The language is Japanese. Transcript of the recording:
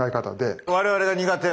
我々が苦手な。